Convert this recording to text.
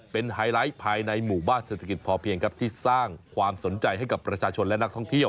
เป็นไฮไลท์ภายในหมู่บ้านเศรษฐกิจพอเพียงครับที่สร้างความสนใจให้กับประชาชนและนักท่องเที่ยว